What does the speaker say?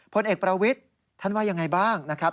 พลเอกประวิทย์ท่านว่ายังไงบ้างนะครับ